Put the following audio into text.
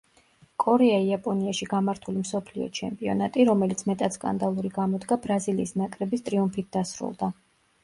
კორეა–იაპონიაში გამართული მსოფლიო ჩემპიონატი, რომელიც მეტად სკანდალური გამოდგა, ბრაზილიის ნაკრების ტრიუმფით დასრულდა.